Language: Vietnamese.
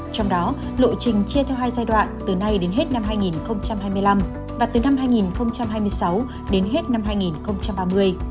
trong đó lộ trình chia theo hai giai đoạn từ nay đến hết năm hai nghìn hai mươi năm và từ năm hai nghìn hai mươi sáu đến hết năm hai nghìn ba mươi